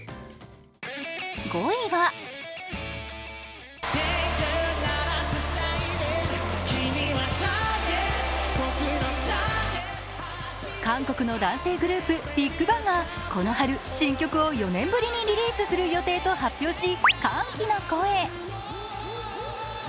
５位は韓国の男性グループＢＩＧＢＡＮＧがこの春、新曲を４年ぶりにリリースすると発表し、歓喜の声。